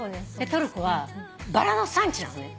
トルコはバラの産地なのね。